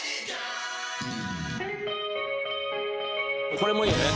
「これもいいですね